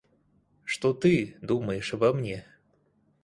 Что ты думаешь обо мне?